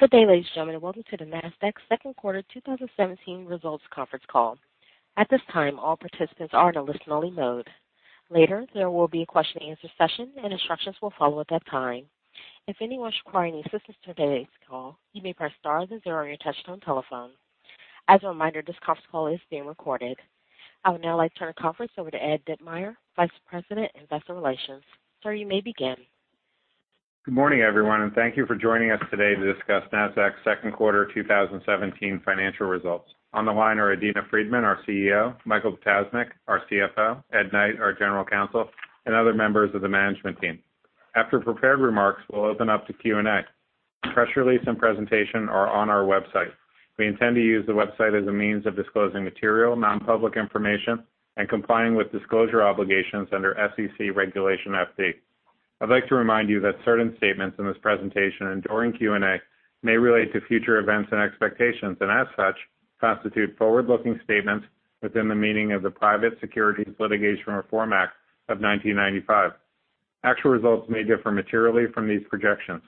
Good day, ladies and gentlemen. Welcome to the Nasdaq second quarter 2017 results conference call. At this time, all participants are in a listen-only mode. Later, there will be a question and answer session, and instructions will follow at that time. If anyone should require any assistance during today's call, you may press star then zero on your touchtone telephone. As a reminder, this conference call is being recorded. I would now like to turn the conference over to Ed Ditmire, Vice President, Investor Relations. Sir, you may begin. Good morning, everyone. Thank you for joining us today to discuss Nasdaq's second quarter 2017 financial results. On the line are Adena Friedman, our CEO; Michael Ptasznik, our CFO; Ed Knight, our General Counsel, and other members of the management team. After prepared remarks, we'll open up to Q&A. The press release and presentation are on our website. We intend to use the website as a means of disclosing material, non-public information and complying with disclosure obligations under SEC Regulation FD. I'd like to remind you that certain statements in this presentation and during Q&A may relate to future events and expectations, and as such, constitute forward-looking statements within the meaning of the Private Securities Litigation Reform Act of 1995. Actual results may differ materially from these projections.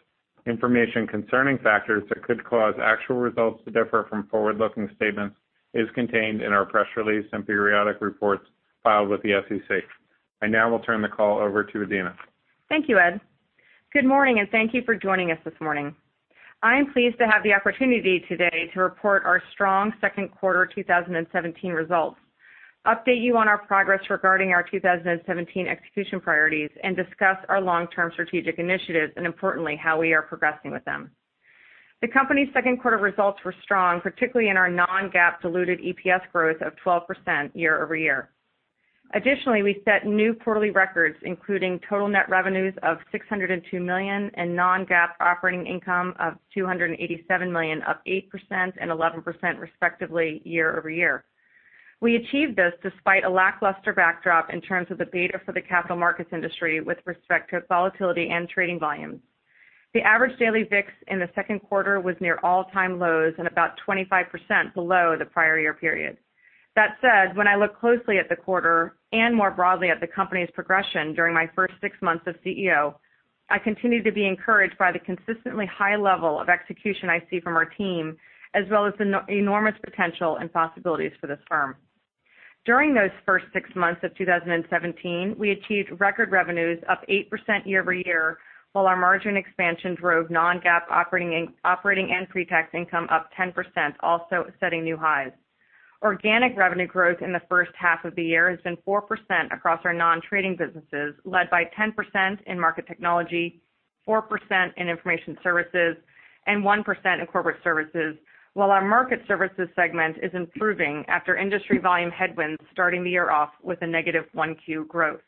Information concerning factors that could cause actual results to differ from forward-looking statements is contained in our press release and periodic reports filed with the SEC. I now will turn the call over to Adena. Thank you, Ed. Good morning. Thank you for joining us this morning. I am pleased to have the opportunity today to report our strong second quarter 2017 results, update you on our progress regarding our 2017 execution priorities, and discuss our long-term strategic initiatives, and importantly, how we are progressing with them. The company's second quarter results were strong, particularly in our non-GAAP diluted EPS growth of 12% year-over-year. Additionally, we set new quarterly records, including total net revenues of $602 million and non-GAAP operating income of $287 million, up 8% and 11%, respectively year-over-year. We achieved this despite a lackluster backdrop in terms of the beta for the capital markets industry with respect to volatility and trading volumes. The average daily VIX in the second quarter was near all-time lows and about 25% below the prior year period. That said, when I look closely at the quarter and more broadly at the company's progression during my first six months as CEO, I continue to be encouraged by the consistently high level of execution I see from our team, as well as the enormous potential and possibilities for this firm. During those first six months of 2017, we achieved record revenues up 8% year-over-year, while our margin expansion drove non-GAAP operating and pre-tax income up 10%, also setting new highs. Organic revenue growth in the first half of the year has been 4% across our non-trading businesses, led by 10% in market technology, 4% in information services, and 1% in corporate services. While our market services segment is improving after industry volume headwinds starting the year off with a negative 1Q growth.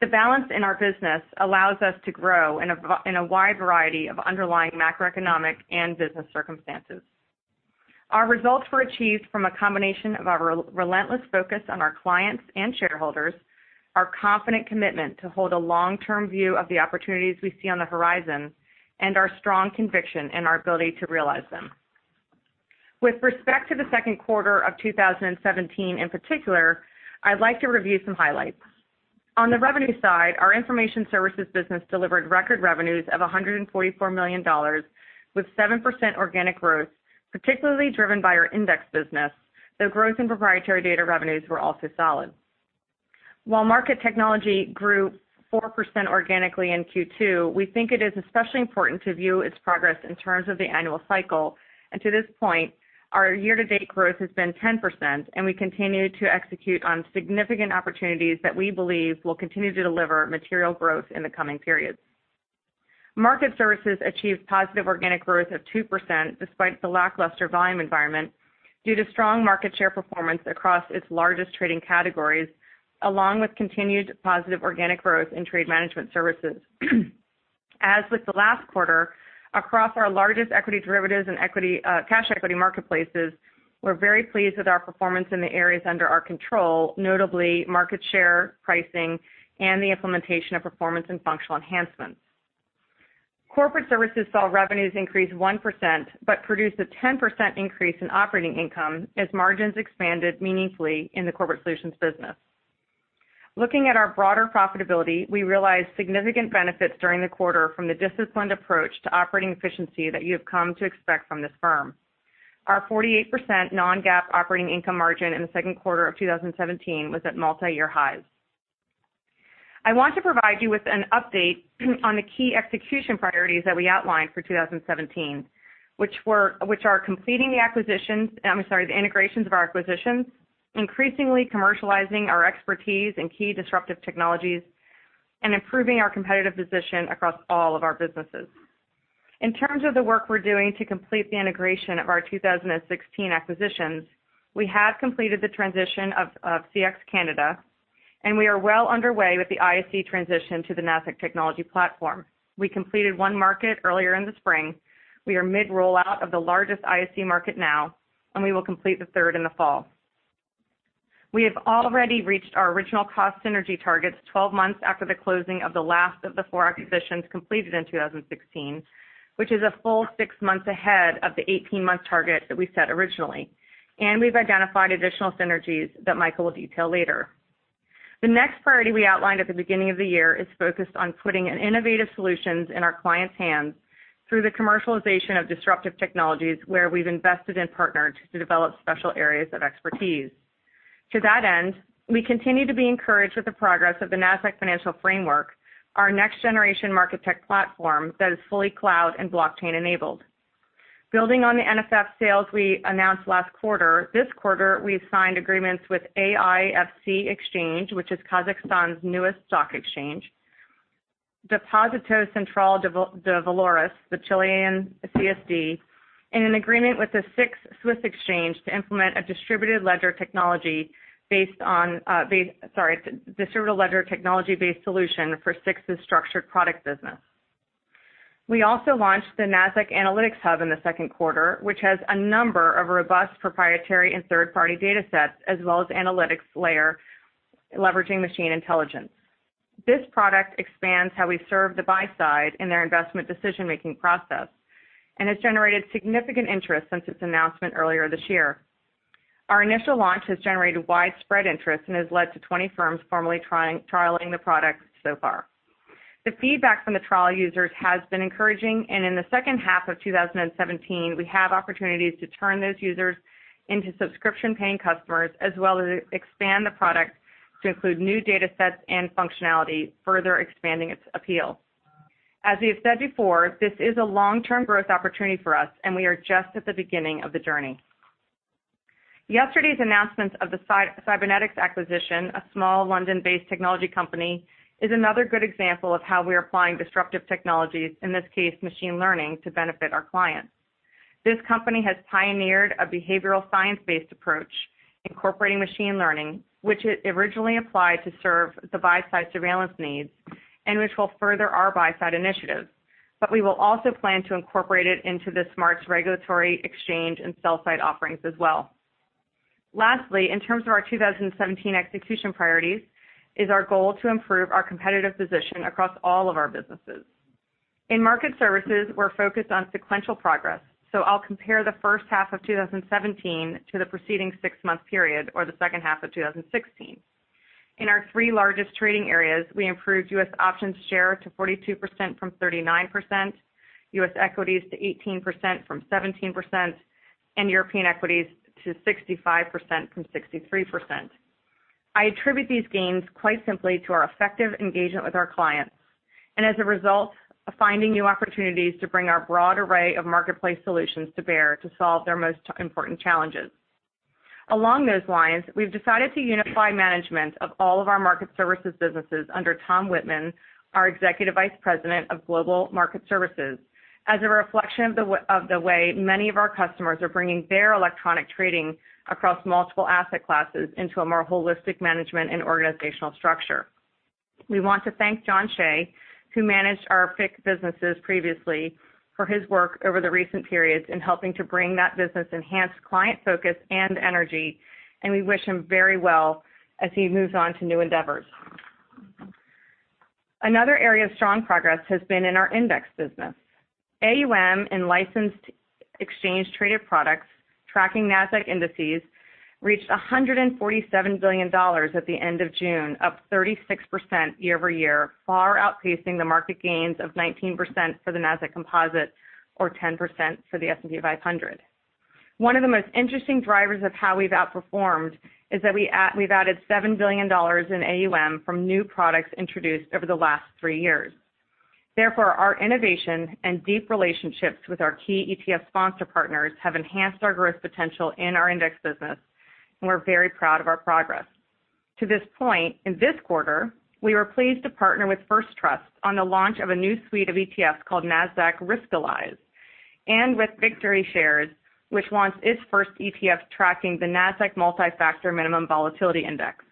The balance in our business allows us to grow in a wide variety of underlying macroeconomic and business circumstances. Our results were achieved from a combination of our relentless focus on our clients and shareholders, our confident commitment to hold a long-term view of the opportunities we see on the horizon, and our strong conviction in our ability to realize them. With respect to the second quarter of 2017 in particular, I'd like to review some highlights. On the revenue side, our information services business delivered record revenues of $144 million, with 7% organic growth, particularly driven by our index business, though growth in proprietary data revenues were also solid. While market technology grew 4% organically in Q2, we think it is especially important to view its progress in terms of the annual cycle, and to this point, our year-to-date growth has been 10%, and we continue to execute on significant opportunities that we believe will continue to deliver material growth in the coming periods. Market services achieved positive organic growth of 2% despite the lackluster volume environment, due to strong market share performance across its largest trading categories, along with continued positive organic growth in trade management services. As with the last quarter, across our largest equity derivatives and cash equity marketplaces, we're very pleased with our performance in the areas under our control, notably market share, pricing, and the implementation of performance and functional enhancements. Corporate services saw revenues increase 1% but produced a 10% increase in operating income as margins expanded meaningfully in the corporate solutions business. Looking at our broader profitability, we realized significant benefits during the quarter from the disciplined approach to operating efficiency that you have come to expect from this firm. Our 48% non-GAAP operating income margin in the second quarter of 2017 was at multiyear highs. I want to provide you with an update on the key execution priorities that we outlined for 2017, which are completing the integrations of our acquisitions, increasingly commercializing our expertise in key disruptive technologies, and improving our competitive position across all of our businesses. In terms of the work we're doing to complete the integration of our 2016 acquisitions, we have completed the transition of Chi-X Canada, and we are well underway with the ISE transition to the Nasdaq technology platform. We completed one market earlier in the spring. We are mid-rollout of the largest ISE market now, we will complete the third in the fall. We have already reached our original cost synergy targets 12 months after the closing of the last of the four acquisitions completed in 2016, which is a full 6 months ahead of the 18-month target that we set originally. We've identified additional synergies that Michael will detail later. The next priority we outlined at the beginning of the year is focused on putting innovative solutions in our clients' hands through the commercialization of disruptive technologies where we've invested and partnered to develop special areas of expertise. To that end, we continue to be encouraged with the progress of the Nasdaq Financial Framework, our next-generation market tech platform that is fully cloud and blockchain enabled. Building on the NFF sales we announced last quarter, this quarter, we've signed agreements with AIFC Exchange, which is Kazakhstan's newest stock exchange, Depósito Central de Valores, the Chilean CSD, and an agreement with the SIX Swiss Exchange to implement a distributed ledger technology-based solution for SIX's structured product business. We also launched the Nasdaq Analytics Hub in the second quarter, which has a number of robust proprietary and third-party data sets, as well as analytics layer leveraging machine intelligence. This product expands how we serve the buy side in their investment decision-making process and has generated significant interest since its announcement earlier this year. Our initial launch has generated widespread interest and has led to 20 firms formally trialing the product so far. The feedback from the trial users has been encouraging, in the second half of 2017, we have opportunities to turn those users into subscription-paying customers, as well as expand the product to include new data sets and functionality, further expanding its appeal. As we have said before, this is a long-term growth opportunity for us, we are just at the beginning of the journey. Yesterday's announcement of the Sybenetix acquisition, a small London-based technology company, is another good example of how we're applying disruptive technologies, in this case, machine learning, to benefit our clients. This company has pioneered a behavioral science-based approach incorporating machine learning, which it originally applied to serve the buy-side surveillance needs and which will further our buy-side initiatives. We will also plan to incorporate it into the SMARTS regulatory exchange and sell-side offerings as well. Lastly, in terms of our 2017 execution priorities, is our goal to improve our competitive position across all of our businesses. In market services, we're focused on sequential progress, so I'll compare the first half of 2017 to the preceding 6-month period or the second half of 2016. In our three largest trading areas, we improved U.S. options share to 42% from 39%, U.S. equities to 18% from 17%, and European equities to 65% from 63%. I attribute these gains quite simply to our effective engagement with our clients and, as a result, finding new opportunities to bring our broad array of marketplace solutions to bear to solve their most important challenges. Along those lines, we've decided to unify management of all of our market services businesses under Tom Wittman, our Executive Vice President of Global Market Services, as a reflection of the way many of our customers are bringing their electronic trading across multiple asset classes into a more holistic management and organizational structure. We want to thank John Shay, who managed our FICC businesses previously, for his work over the recent periods in helping to bring that business enhanced client focus and energy. We wish him very well as he moves on to new endeavors. Another area of strong progress has been in our index business. AUM and licensed exchange-traded products tracking Nasdaq indices reached $147 billion at the end of June, up 36% year-over-year, far outpacing the market gains of 19% for the Nasdaq Composite or 10% for the S&P 500. One of the most interesting drivers of how we've outperformed is that we've added $7 billion in AUM from new products introduced over the last three years. Therefore, our innovation and deep relationships with our key ETF sponsor partners have enhanced our growth potential in our index business. We're very proud of our progress. To this point, in this quarter, we were pleased to partner with First Trust on the launch of a new suite of ETFs called Nasdaq Riskalyze and with VictoryShares, which wants its first ETF tracking the Nasdaq Multi-Factor Minimum Volatility Index.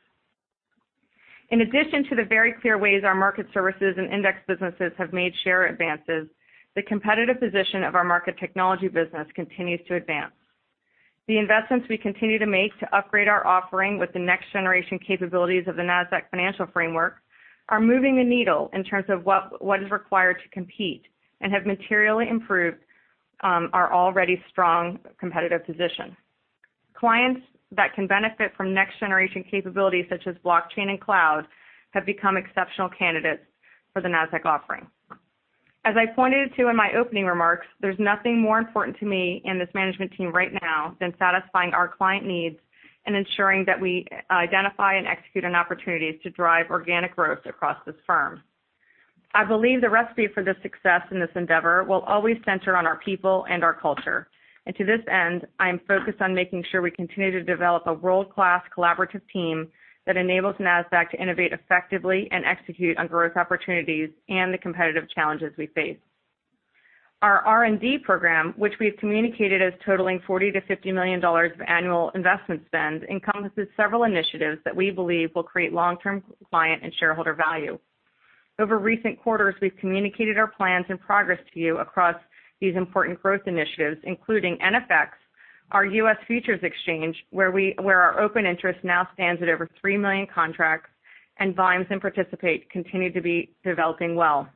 In addition to the very clear ways our market services and index businesses have made share advances, the competitive position of our market technology business continues to advance. The investments we continue to make to upgrade our offering with the next-generation capabilities of the Nasdaq Financial Framework are moving the needle in terms of what is required to compete and have materially improved our already strong competitive position. Clients that can benefit from next-generation capabilities such as blockchain and cloud have become exceptional candidates for the Nasdaq offering. As I pointed to in my opening remarks, there's nothing more important to me and this management team right now than satisfying our client needs and ensuring that we identify and execute on opportunities to drive organic growth across this firm. I believe the recipe for the success in this endeavor will always center on our people and our culture. To this end, I am focused on making sure we continue to develop a world-class collaborative team that enables Nasdaq to innovate effectively and execute on growth opportunities and the competitive challenges we face. Our R&D program, which we've communicated as totaling $40 million-$50 million of annual investment spend, encompasses several initiatives that we believe will create long-term client and shareholder value. Over recent quarters, we've communicated our plans and progress to you across these important growth initiatives, including NFX, our U.S. futures exchange, where our open interest now stands at over 3 million contracts. Vimes and Participate continue to be developing well.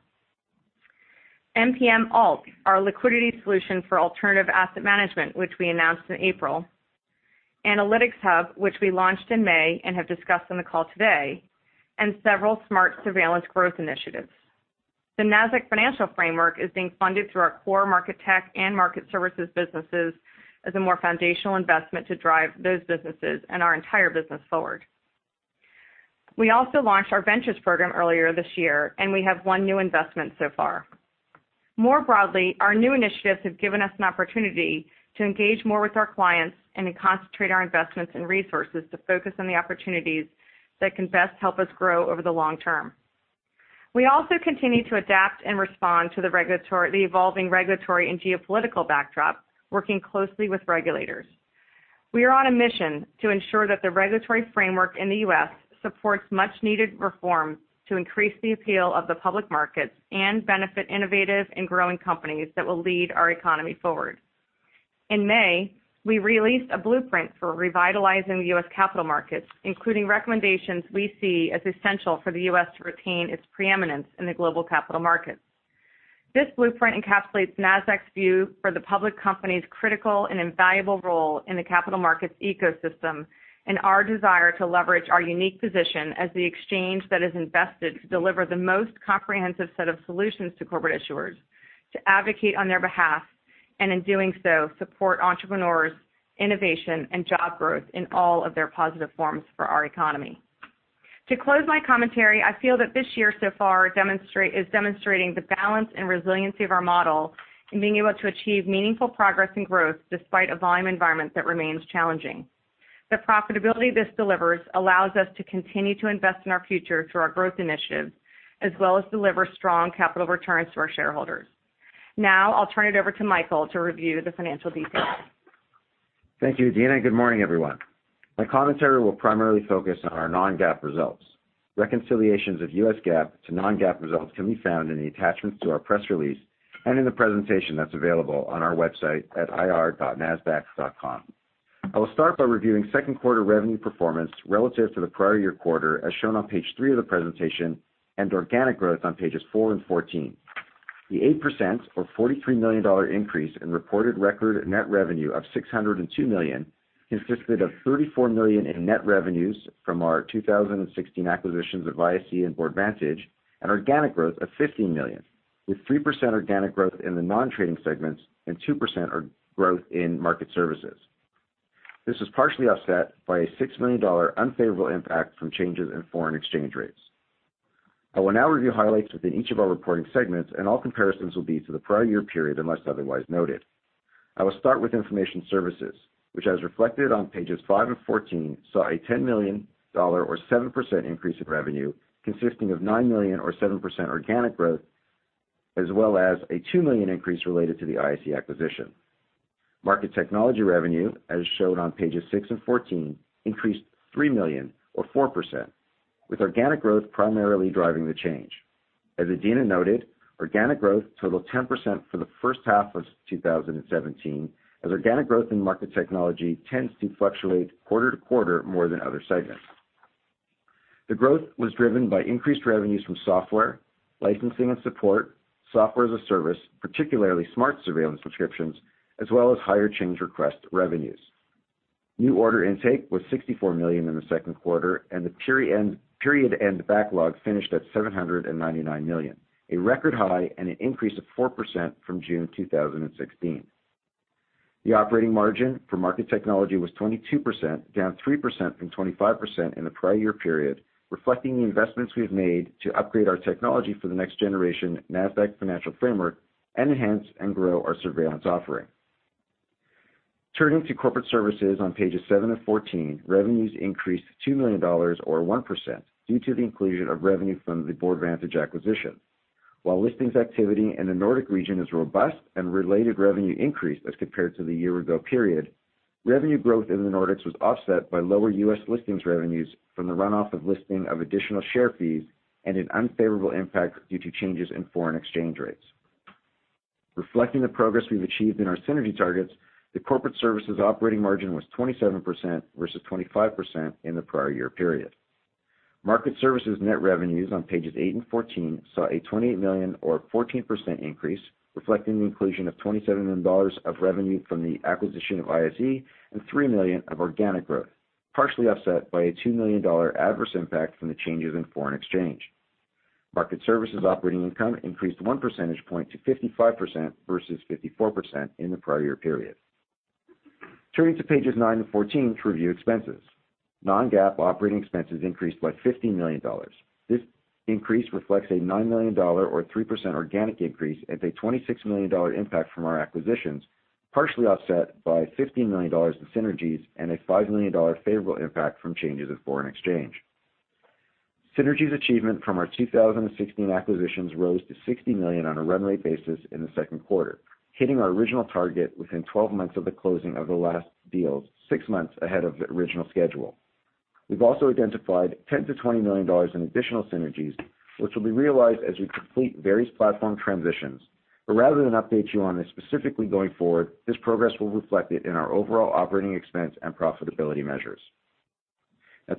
NPM Alt, our liquidity solution for alternative asset management, which we announced in April. Analytics Hub, which we launched in May and have discussed on the call today. Several SMARTS surveillance growth initiatives. The Nasdaq Financial Framework is being funded through our core market tech and market services businesses as a more foundational investment to drive those businesses and our entire business forward. We also launched our ventures program earlier this year, and we have one new investment so far. More broadly, our new initiatives have given us an opportunity to engage more with our clients and to concentrate our investments and resources to focus on the opportunities that can best help us grow over the long term. We also continue to adapt and respond to the evolving regulatory and geopolitical backdrop, working closely with regulators. We are on a mission to ensure that the regulatory framework in the U.S. supports much-needed reform to increase the appeal of the public markets and benefit innovative and growing companies that will lead our economy forward. In May, we released a blueprint for Revitalizing the U.S. capital markets, including recommendations we see as essential for the U.S. to retain its preeminence in the global capital markets. This blueprint encapsulates Nasdaq's view for the public company's critical and invaluable role in the capital markets ecosystem, and our desire to leverage our unique position as the exchange that is invested to deliver the most comprehensive set of solutions to corporate issuers, to advocate on their behalf, and in doing so, support entrepreneurs, innovation, and job growth in all of their positive forms for our economy. To close my commentary, I feel that this year so far is demonstrating the balance and resiliency of our model in being able to achieve meaningful progress and growth despite a volume environment that remains challenging. The profitability this delivers allows us to continue to invest in our future through our growth initiatives, as well as deliver strong capital returns to our shareholders. I'll turn it over to Michael to review the financial details. Thank you, Adena. Good morning, everyone. My commentary will primarily focus on our non-GAAP results. Reconciliations of US GAAP to non-GAAP results can be found in the attachments to our press release and in the presentation that's available on our website at ir.nasdaq.com. I will start by reviewing second quarter revenue performance relative to the prior year quarter, as shown on page three of the presentation, and organic growth on pages four and 14. The 8% or $43 million increase in reported record net revenue of $602 million consisted of $34 million in net revenues from our 2016 acquisitions of ISE and Boardvantage, and organic growth of $15 million, with 3% organic growth in the non-trading segments and 2% growth in market services. This was partially offset by a $6 million unfavorable impact from changes in foreign exchange rates. I will now review highlights within each of our reporting segments, and all comparisons will be to the prior year period, unless otherwise noted. I will start with information services, which, as reflected on pages five and 14, saw a $10 million or 7% increase in revenue, consisting of $9 million or 7% organic growth, as well as a $2 million increase related to the ISE acquisition. Market technology revenue, as shown on pages six and 14, increased $3 million or 4%, with organic growth primarily driving the change. As Adena noted, organic growth totaled 10% for the first half of 2017, as organic growth in market technology tends to fluctuate quarter-to-quarter more than other segments. The growth was driven by increased revenues from software, licensing and support, Software as a Service, particularly SMARTS surveillance subscriptions, as well as higher change request revenues. New order intake was $64 million in the second quarter. The period end backlog finished at $799 million, a record high and an increase of 4% from June 2016. The operating margin for market technology was 22%, down 3% from 25% in the prior year period, reflecting the investments we've made to upgrade our technology for the next generation Nasdaq Financial Framework and enhance and grow our surveillance offering. Turning to corporate services on pages seven to 14, revenues increased $2 million or 1% due to the inclusion of revenue from the Boardvantage acquisition. While listings activity in the Nordic region is robust and related revenue increased as compared to the year-ago period, revenue growth in the Nordics was offset by lower U.S. listings revenues from the runoff of listing of additional share fees and an unfavorable impact due to changes in foreign exchange rates. Reflecting the progress we've achieved in our synergy targets, the corporate services operating margin was 27% versus 25% in the prior year period. Market services net revenues on pages eight and 14 saw a $28 million or 14% increase, reflecting the inclusion of $27 million of revenue from the acquisition of ISE and $3 million of organic growth, partially offset by a $2 million adverse impact from the changes in foreign exchange. Market services operating income increased 1 percentage point to 55% versus 54% in the prior year period. Turning to pages nine to 14 to review expenses. Non-GAAP operating expenses increased by $15 million. This increase reflects a $9 million or 3% organic increase and a $26 million impact from our acquisitions, partially offset by $15 million in synergies and a $5 million favorable impact from changes of foreign exchange. Synergies achievement from our 2016 acquisitions rose to $60 million on a run rate basis in the second quarter, hitting our original target within 12 months of the closing of the last deals, six months ahead of the original schedule. We've also identified $10 million to $20 million in additional synergies, which will be realized as we complete various platform transitions. Rather than update you on this specifically going forward, this progress will be reflected in our overall operating expense and profitability measures.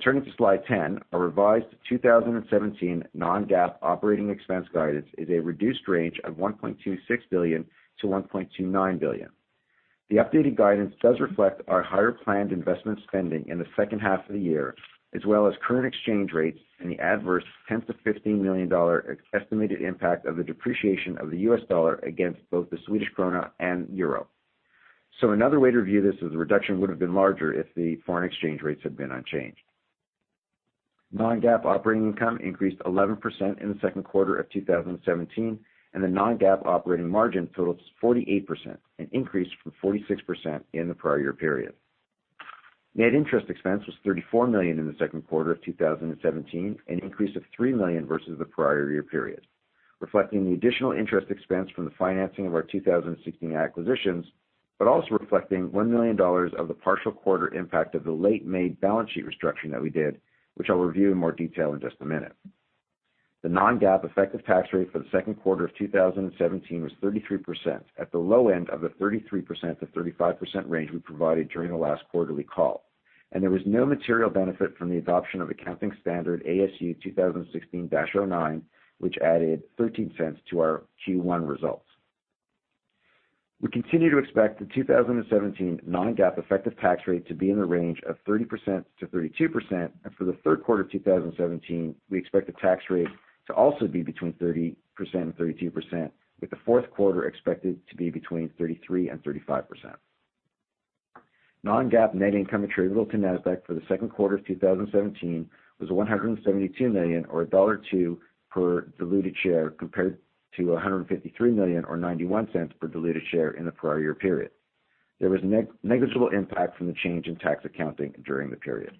Turning to slide 10, our revised 2017 non-GAAP operating expense guidance is a reduced range of $1.26 billion to $1.29 billion. The updated guidance does reflect our higher planned investment spending in the second half of the year, as well as current exchange rates and the adverse $10 million-$15 million estimated impact of the depreciation of the U.S. dollar against both the Swedish krona and euro. Another way to view this is the reduction would have been larger if the foreign exchange rates had been unchanged. Non-GAAP operating income increased 11% in the second quarter of 2017, and the non-GAAP operating margin totals 48%, an increase from 46% in the prior year period. Net interest expense was $34 million in the second quarter of 2017, an increase of $3 million versus the prior year period, reflecting the additional interest expense from the financing of our 2016 acquisitions, but also reflecting $1 million of the partial quarter impact of the late May balance sheet restructuring that we did, which I'll review in more detail in just a minute. The non-GAAP effective tax rate for the second quarter of 2017 was 33%, at the low end of the 33%-35% range we provided during the last quarterly call, and there was no material benefit from the adoption of accounting standard ASU 2016-09, which added $0.13 to our Q1 results. We continue to expect the 2017 non-GAAP effective tax rate to be in the range of 30%-32%, and for the third quarter of 2017, we expect the tax rate to also be between 30% and 32%, with the fourth quarter expected to be between 33% and 35%. Non-GAAP net income attributable to Nasdaq for the second quarter of 2017 was $172 million, or $1.02 per diluted share, compared to $153 million, or $0.91 per diluted share in the prior year period. There was negligible impact from the change in tax accounting during the period.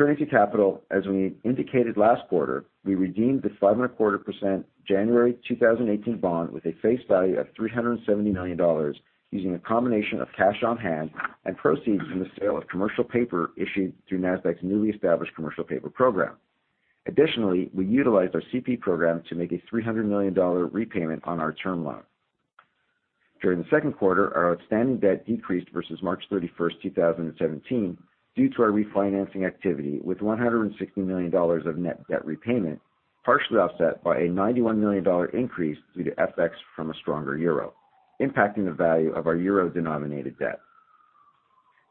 Turning to capital, as we indicated last quarter, we redeemed the 5.25% January 2018 bond with a face value of $370 million using a combination of cash on hand and proceeds from the sale of commercial paper issued through Nasdaq's newly established commercial paper program. Additionally, we utilized our CP program to make a $300 million repayment on our term loan. During the second quarter, our outstanding debt decreased versus March 31st, 2017, due to our refinancing activity, with $160 million of net debt repayment, partially offset by a $91 million increase due to FX from a stronger euro, impacting the value of our euro-denominated debt.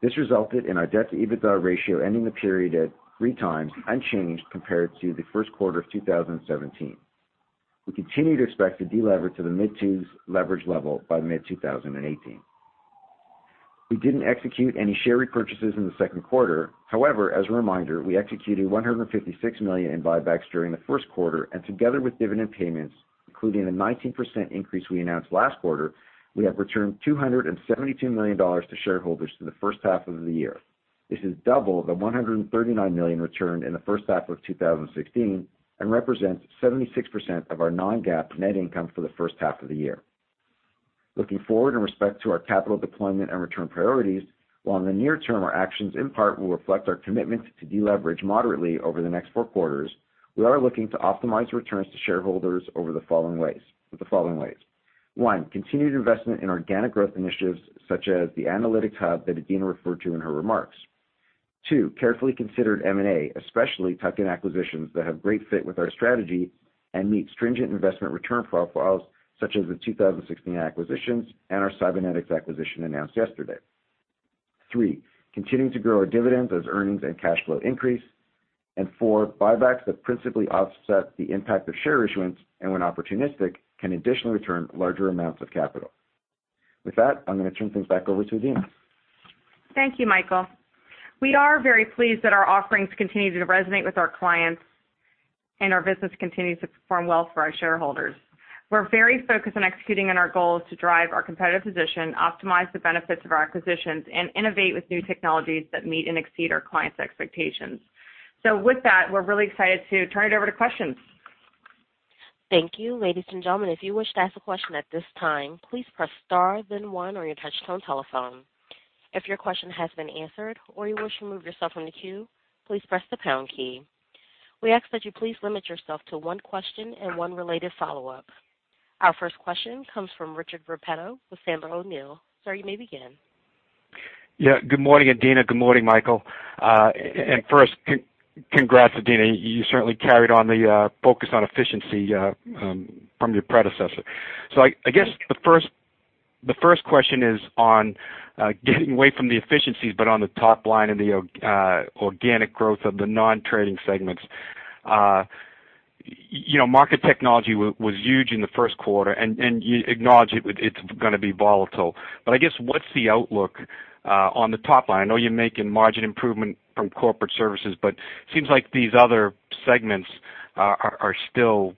This resulted in our debt-to-EBITDA ratio ending the period at three times, unchanged compared to the first quarter of 2017. We continue to expect to delever to the mid-twos leverage level by mid-2018. We didn't execute any share repurchases in the second quarter. As a reminder, we executed $156 million in buybacks during the first quarter, and together with dividend payments, including the 19% increase we announced last quarter, we have returned $272 million to shareholders through the first half of the year. This is double the $139 million returned in the first half of 2016 and represents 76% of our non-GAAP net income for the first half of the year. Looking forward in respect to our capital deployment and return priorities, while in the near term, our actions in part will reflect our commitment to deleverage moderately over the next four quarters, we are looking to optimize returns to shareholders over the following ways. One, continued investment in organic growth initiatives such as the Nasdaq Analytics Hub that Adena referred to in her remarks. Two, carefully considered M&A, especially tuck-in acquisitions that have great fit with our strategy and meet stringent investment return profiles, such as the 2016 acquisitions and our Sybenetix acquisition announced yesterday. Three, continuing to grow our dividends as earnings and cash flow increase. Four, buybacks that principally offset the impact of share issuance, and when opportunistic, can additionally return larger amounts of capital. With that, I'm going to turn things back over to Adena. Thank you, Michael. We are very pleased that our offerings continue to resonate with our clients, our business continues to perform well for our shareholders. We're very focused on executing on our goals to drive our competitive position, optimize the benefits of our acquisitions, innovate with new technologies that meet and exceed our clients' expectations. With that, we're really excited to turn it over to questions. Thank you. Ladies and gentlemen, if you wish to ask a question at this time, please press star then one on your touchtone telephone. If your question has been answered or you wish to remove yourself from the queue, please press the pound key. We ask that you please limit yourself to one question and one related follow-up. Our first question comes from Richard Repetto with Sandler O'Neill. Sir, you may begin. Good morning, Adena. Good morning, Michael. First, congrats, Adena. You certainly carried on the focus on efficiency from your predecessor. I guess the first question is on getting away from the efficiencies but on the top line and the organic growth of the non-trading segments. Market technology was huge in the first quarter, and you acknowledge it's going to be volatile. I guess what's the outlook on the top line? I know you're making margin improvement from corporate services, but it seems like these other segments are still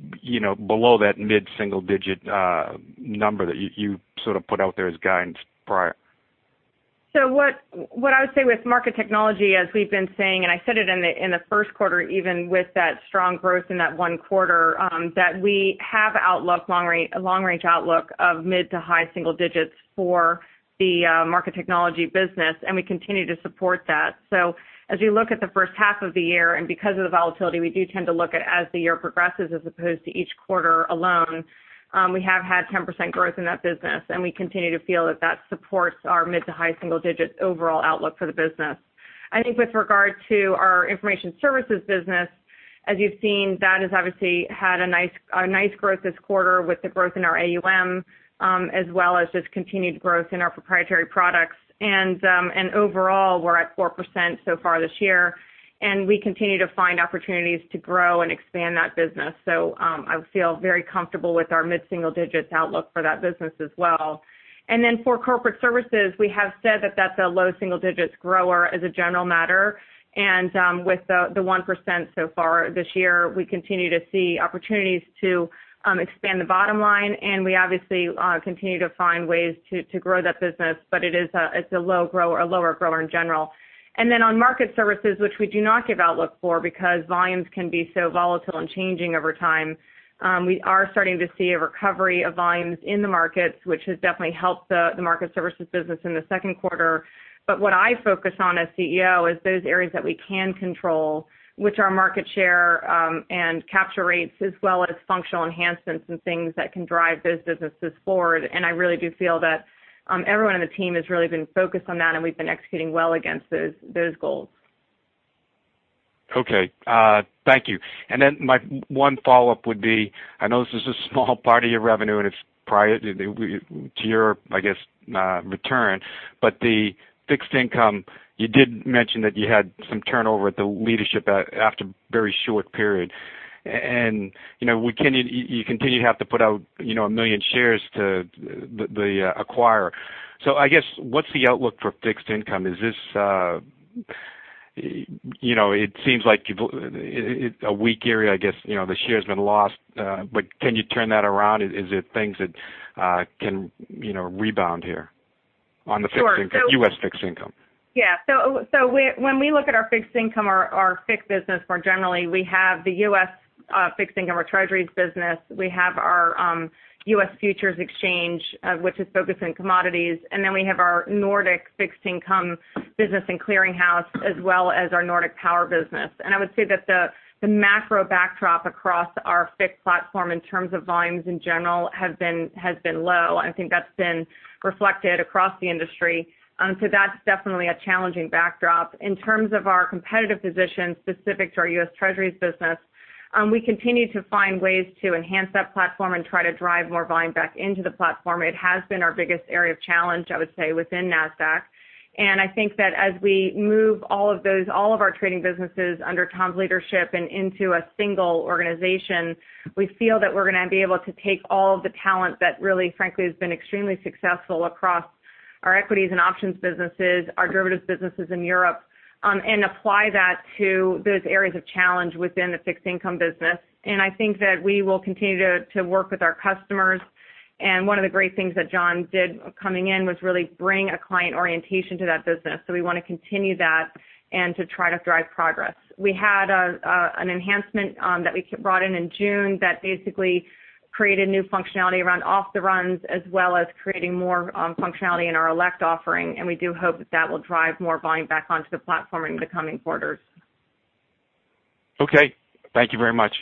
below that mid-single-digit number that you sort of put out there as guidance prior. What I would say with market technology, as we've been saying, and I said it in the first quarter, even with that strong growth in that one quarter, that we have a long-range outlook of mid to high single digits for the market technology business, and we continue to support that. As we look at the first half of the year, and because of the volatility, we do tend to look at as the year progresses as opposed to each quarter alone. We have had 10% growth in that business, and we continue to feel that that supports our mid to high single digits overall outlook for the business. I think with regard to our information services business, as you've seen, that has obviously had a nice growth this quarter with the growth in our AUM, as well as just continued growth in our proprietary products. Overall, we're at 4% so far this year, and we continue to find opportunities to grow and expand that business. I feel very comfortable with our mid-single digits outlook for that business as well. For corporate services, we have said that that's a low single digits grower as a general matter. With the 1% so far this year, we continue to see opportunities to expand the bottom line, and we obviously continue to find ways to grow that business, but it's a lower grower in general. On market services, which we do not give outlook for because volumes can be so volatile and changing over time, we are starting to see a recovery of volumes in the markets, which has definitely helped the market services business in the second quarter. What I focus on as CEO is those areas that we can control, which are market share, and capture rates, as well as functional enhancements and things that can drive those businesses forward. I really do feel that everyone on the team has really been focused on that, and we've been executing well against those goals. Okay. Thank you. My one follow-up would be, I know this is a small part of your revenue, and it's prior to your, I guess, return, but the fixed income, you did mention that you had some turnover at the leadership after a very short period. You continue to have to put out 1 million shares to the acquirer. I guess, what's the outlook for fixed income? It seems like a weak area, I guess. The share has been lost, but can you turn that around? Is it things that can rebound here on the- Sure U.S. fixed income? Yeah. When we look at our fixed income or our fixed business more generally, we have the U.S. fixed income, our Treasuries business, we have our U.S. Futures Exchange, which is focused on commodities, we have our Nordic fixed income business and clearinghouse, as well as our Nordic Power business. I would say that the macro backdrop across our fixed platform in terms of volumes in general has been low. I think that's been reflected across the industry. That's definitely a challenging backdrop. In terms of our competitive position specific to our U.S. Treasuries business, we continue to find ways to enhance that platform and try to drive more volume back into the platform. It has been our biggest area of challenge, I would say, within Nasdaq. I think that as we move all of our trading businesses under Tom's leadership and into a single organization, we feel that we're going to be able to take all of the talent that really, frankly, has been extremely successful across our equities and options businesses, our derivatives businesses in Europe, apply that to those areas of challenge within the fixed income business. I think that we will continue to work with our customers. One of the great things that John did coming in was really bring a client orientation to that business. We want to continue that and to try to drive progress. We had an enhancement that we brought in in June that basically created new functionality around off the runs, as well as creating more functionality in our eSpeed offering. We do hope that that will drive more volume back onto the platform in the coming quarters. Okay. Thank you very much.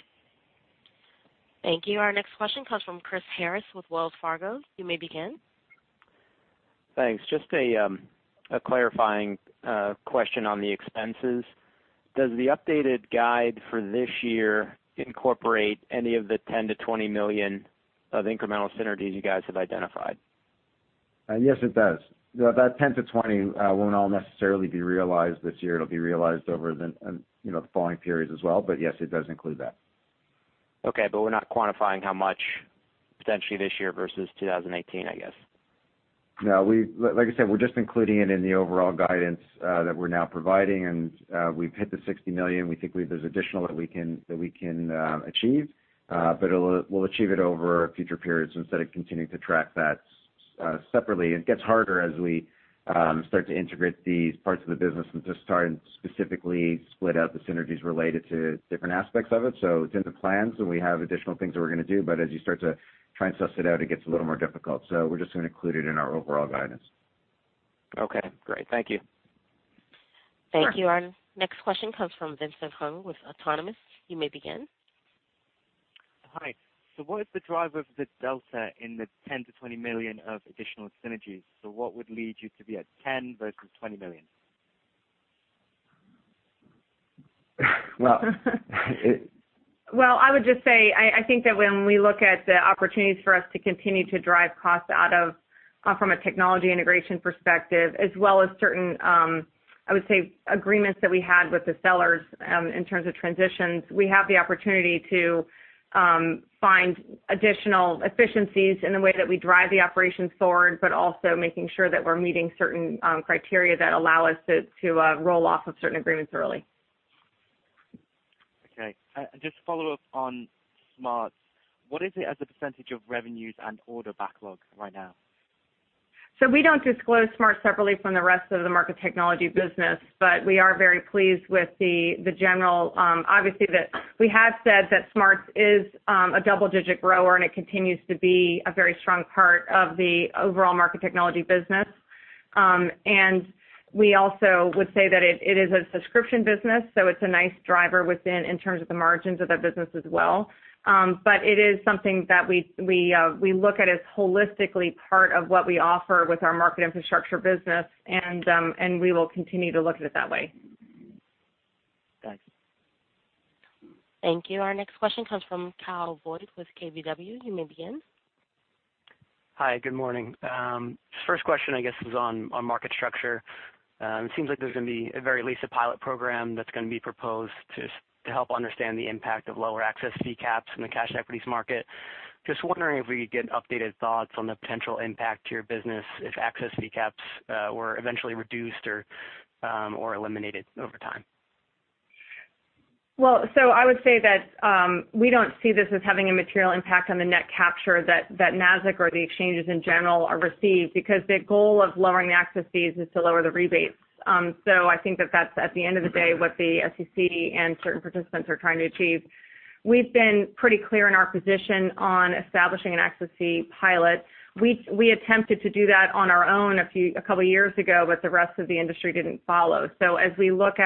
Thank you. Our next question comes from Chris Harris with Wells Fargo. You may begin. Thanks. Just a clarifying question on the expenses. Does the updated guide for this year incorporate any of the $10 million-$20 million of incremental synergies you guys have identified? Yes, it does. That $10-$20 won't all necessarily be realized this year. It'll be realized over the following periods as well. Yes, it does include that. Okay, we're not quantifying how much potentially this year versus 2018, I guess. No. Like I said, we're just including it in the overall guidance that we're now providing, and we've hit the $60 million. We think there's additional that we can achieve, but we'll achieve it over future periods instead of continuing to track that separately. It gets harder as we start to integrate these parts of the business and to start specifically split out the synergies related to different aspects of it. It's in the plans, and we have additional things that we're going to do, but as you start to try and suss it out, it gets a little more difficult. We're just going to include it in our overall guidance. Okay, great. Thank you. Thank you. Sure. Our next question comes from Vincent Hung with Autonomous. You may begin. Hi. What is the driver of the delta in the $10 million-$20 million of additional synergies? What would lead you to be at $10 million versus $20 million? Well. Well, I would just say, I think that when we look at the opportunities for us to continue to drive costs out from a technology integration perspective, as well as certain, I would say, agreements that we had with the sellers in terms of transitions, we have the opportunity to find additional efficiencies in the way that we drive the operations forward, but also making sure that we're meeting certain criteria that allow us to roll off of certain agreements early. Okay. Just to follow up on SMARTS, what is it as a % of revenues and order backlog right now? We don't disclose SMARTS separately from the rest of the Market Technology business, we are very pleased. Obviously, we have said that SMARTS is a double-digit grower, it continues to be a very strong part of the overall Market Technology business. We also would say that it is a subscription business, it's a nice driver within in terms of the margins of that business as well. It is something that we look at as holistically part of what we offer with our market infrastructure business, we will continue to look at it that way. Thanks. Thank you. Our next question comes from Kyle Voigt with KBW. You may begin. Hi, good morning. First question, I guess, is on market structure. It seems like there's going to be, at very least, a pilot program that's going to be proposed to help understand the impact of lower access fee caps in the cash equities market. Just wondering if we could get updated thoughts on the potential impact to your business if access fee caps were eventually reduced or eliminated over time. I would say that we don't see this as having a material impact on the net capture that Nasdaq or the exchanges in general are received, because the goal of lowering the access fees is to lower the rebates. I think that that's at the end of the day, what the SEC and certain participants are trying to achieve. We've been pretty clear in our position on establishing an access fee pilot. We attempted to do that on our own a couple of years ago. The rest of the industry didn't follow. As we look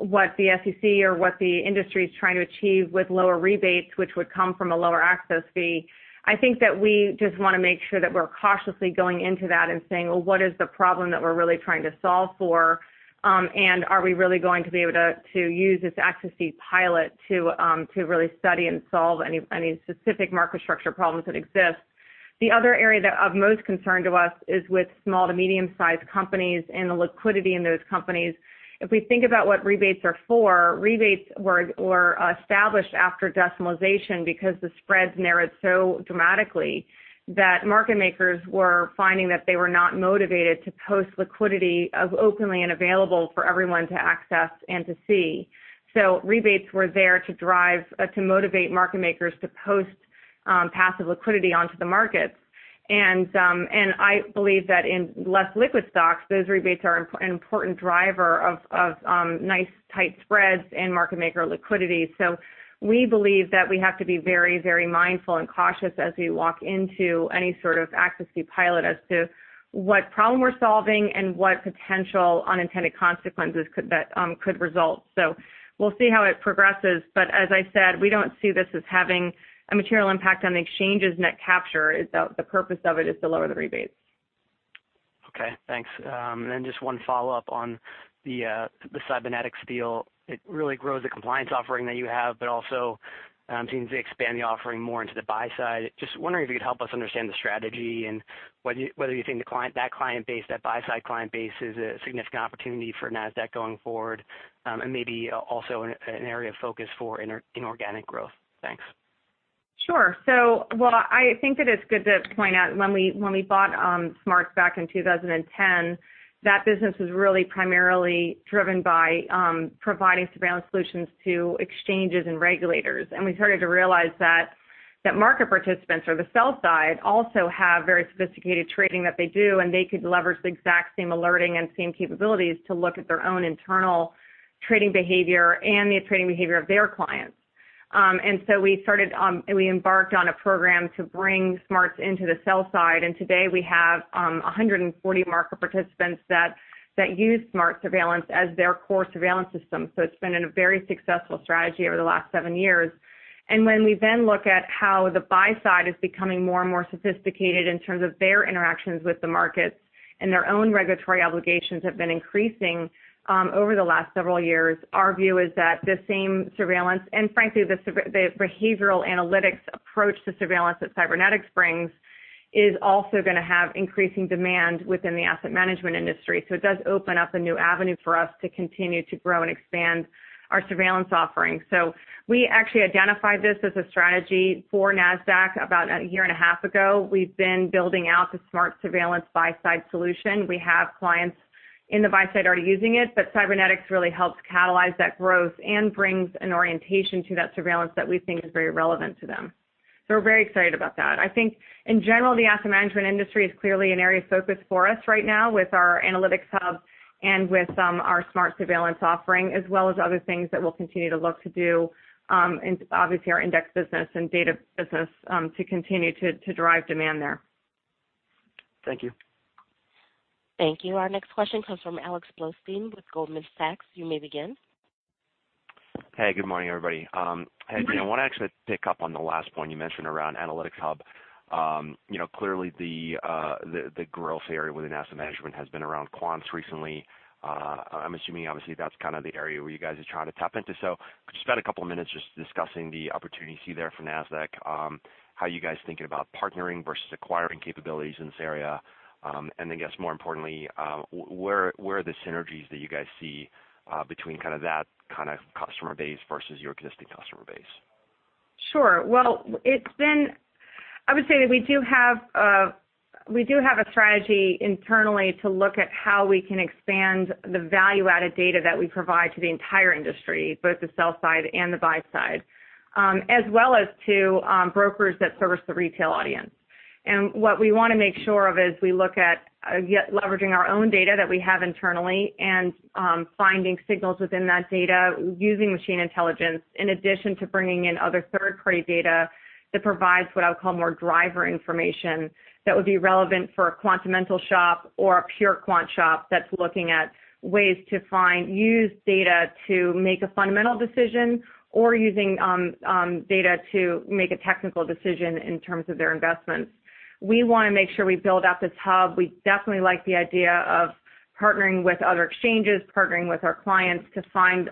at what the SEC or what the industry is trying to achieve with lower rebates, which would come from a lower access fee, I think that we just want to make sure that we're cautiously going into that and saying, "Well, what is the problem that we're really trying to solve for? And are we really going to be able to use this access fee pilot to really study and solve any specific market structure problems that exist?" The other area that of most concern to us is with small to medium-sized companies and the liquidity in those companies. If we think about what rebates are for, rebates were established after decimalization because the spreads narrowed so dramatically that market makers were finding that they were not motivated to post liquidity as openly and available for everyone to access and to see. Rebates were there to motivate market makers to post passive liquidity onto the markets. I believe that in less liquid stocks, those rebates are an important driver of nice tight spreads and market maker liquidity. We believe that we have to be very, very mindful and cautious as we walk into any sort of access fee pilot as to what problem we're solving and what potential unintended consequences that could result. We'll see how it progresses. As I said, we don't see this as having a material impact on the exchange's net capture. The purpose of it is to lower the rebates. Okay, thanks. Just one follow-up on the Sybenetix deal. It really grows the compliance offering that you have, but also seems to expand the offering more into the buy side. Just wondering if you could help us understand the strategy and whether you think that buy side client base is a significant opportunity for Nasdaq going forward, and maybe also an area of focus for inorganic growth. Thanks. Sure. Well, I think that it's good to point out when we bought SMARTS back in 2010, that business was really primarily driven by providing surveillance solutions to exchanges and regulators. We started to realize that market participants or the sell side also have very sophisticated trading that they do, and they could leverage the exact same alerting and same capabilities to look at their own internal trading behavior and the trading behavior of their clients. We embarked on a program to bring SMARTS into the sell side, and today we have 140 market participants that use SMARTS Surveillance as their core surveillance system. It's been a very successful strategy over the last seven years. When we then look at how the buy side is becoming more and more sophisticated in terms of their interactions with the markets and their own regulatory obligations have been increasing over the last several years, our view is that the same surveillance, and frankly, the behavioral analytics approach to surveillance that Sybenetix brings is also going to have increasing demand within the asset management industry. It does open up a new avenue for us to continue to grow and expand our surveillance offering. We actually identified this as a strategy for Nasdaq about a year and a half ago. We've been building out the SMARTS Surveillance buy side solution. We have clients in the buy side already using it, but Sybenetix really helps catalyze that growth and brings an orientation to that surveillance that we think is very relevant to them. We're very excited about that. I think in general, the asset management industry is clearly an area of focus for us right now with our Analytics Hub and with our SMARTS Surveillance offering, as well as other things that we'll continue to look to do, obviously our index business and data business, to continue to drive demand there. Thank you. Thank you. Our next question comes from Alexander Blostein with Goldman Sachs. You may begin. Hey, good morning, everybody. Hey, Adena, I want to actually pick up on the last point you mentioned around Nasdaq Analytics Hub. Clearly the growth area within asset management has been around quants recently. I'm assuming obviously that's kind of the area where you guys are trying to tap into. Could you spend a couple of minutes just discussing the opportunity you see there for Nasdaq? How are you guys thinking about partnering versus acquiring capabilities in this area? Then I guess more importantly, where are the synergies that you guys see between that kind of customer base versus your existing customer base? Sure. I would say that we do have a strategy internally to look at how we can expand the value-added data that we provide to the entire industry, both the sell side and the buy side. As well as to brokers that service the retail audience. What we want to make sure of is we look at leveraging our own data that we have internally and finding signals within that data using machine intelligence, in addition to bringing in other third-party data that provides what I would call more driver information that would be relevant for a quantamental shop or a pure quant shop that's looking at ways to find use data to make a fundamental decision or using data to make a technical decision in terms of their investments. We want to make sure we build out this hub. We definitely like the idea of partnering with other exchanges, partnering with our clients to find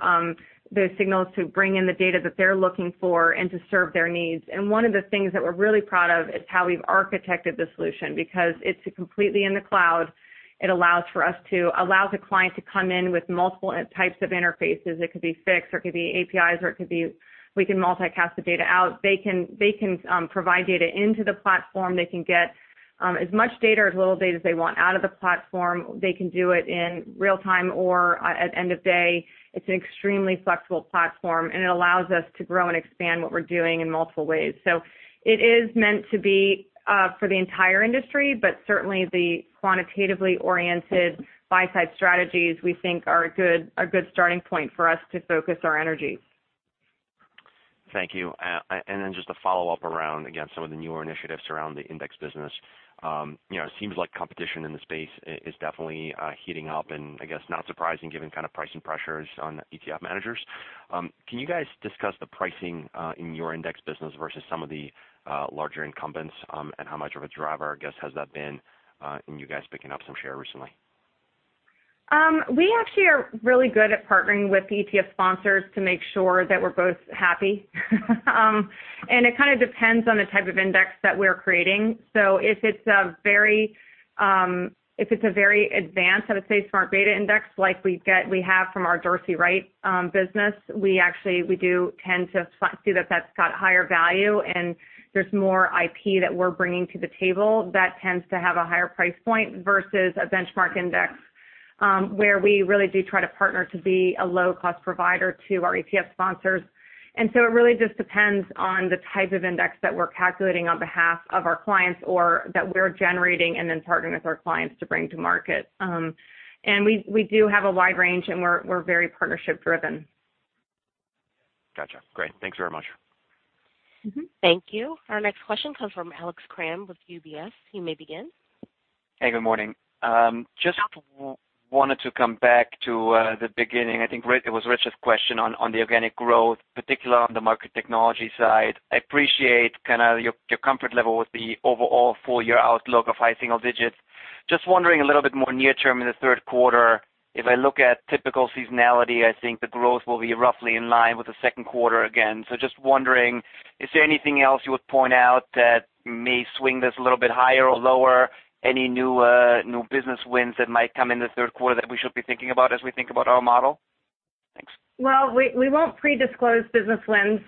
those signals, to bring in the data that they're looking for, and to serve their needs. One of the things that we're really proud of is how we've architected the solution, because it's completely in the cloud. It allows the client to come in with multiple types of interfaces. It could be fixed or it could be APIs, or it could be, we can multicast the data out. They can provide data into the platform. They can get as much data or as little data as they want out of the platform. They can do it in real time or at end of day. It's an extremely flexible platform, and it allows us to grow and expand what we're doing in multiple ways. It is meant to be for the entire industry, but certainly the quantitatively-oriented buy-side strategies we think are a good starting point for us to focus our energies. Thank you. Then just to follow up around, again, some of the newer initiatives around the index business. It seems like competition in the space is definitely heating up and I guess not surprising given kind of pricing pressures on ETF managers. Can you guys discuss the pricing in your index business versus some of the larger incumbents? How much of a driver, I guess, has that been in you guys picking up some share recently? We actually are really good at partnering with ETF sponsors to make sure that we're both happy. It kind of depends on the type of index that we're creating. If it's a very advanced, I would say, smart beta index like we have from our Dorsey, Wright business, we do tend to see that that's got higher value, there's more IP that we're bringing to the table that tends to have a higher price point versus a benchmark index, where we really do try to partner to be a low-cost provider to our ETF sponsors. It really just depends on the type of index that we're calculating on behalf of our clients or that we're generating and then partnering with our clients to bring to market. We do have a wide range and we're very partnership-driven. Got you. Great. Thanks very much. Thank you. Our next question comes from Alex Kramm with UBS. You may begin. Hey, good morning. Just wanted to come back to the beginning. I think it was Rich's question on the organic growth, particular on the market technology side. I appreciate your comfort level with the overall full-year outlook of high single digits. Just wondering a little bit more near term in the third quarter. If I look at typical seasonality, I think the growth will be roughly in line with the second quarter again. Just wondering, is there anything else you would point out that may swing this a little bit higher or lower? Any new business wins that might come in the third quarter that we should be thinking about as we think about our model? Thanks. Well, we won't pre-disclose business wins.